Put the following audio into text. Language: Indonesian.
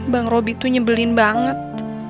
bang roby tuh nyebelin banget